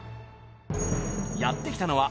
［やって来たのは］